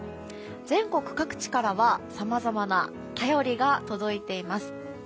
全国各地からはさまざまな便りが届いています。